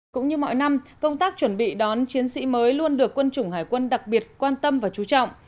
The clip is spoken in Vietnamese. cũng như mọi năm công tác chuẩn bị đón chiến sĩ mới luôn được quân chủng hải quân đặc biệt quan tâm và chú trọng